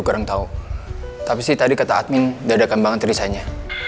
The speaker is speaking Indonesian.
barang tau tapi sih tadi kata admin dadakan banget resignnya